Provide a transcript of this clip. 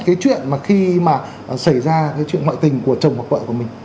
cái chuyện mà khi mà xảy ra cái chuyện ngoại tình của chồng và vợ của mình